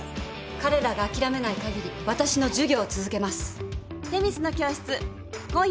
彼らが諦めない限り私の授業を続けます。